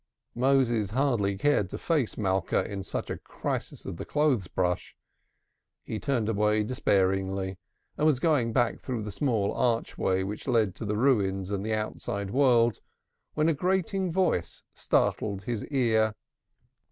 Moses hardly cared to face Malka in such a crisis of the clothes brush. He turned away despairingly, and was going back through the small archway which led to the Ruins and the outside world, when a grating voice startled his ear.